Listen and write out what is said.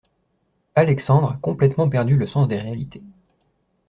Alexandre a complètement perdu le sens des réalités.